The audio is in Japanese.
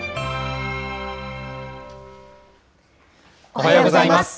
おはようございます。